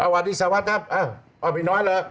วันดีเศรษฐ์ครับเอาผิดน้อยละ